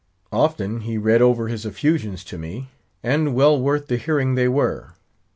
Often he read over his effusions to me; and well worth the hearing they were.